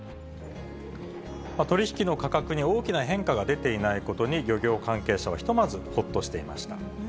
取り引きの価格に大きな変化が出ていないことに、漁業関係者はひとまず、ほっとしていました。